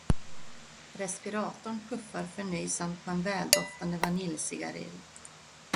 Respiratorn puffar förnöjsamt på en väldoftande vaniljcigarill.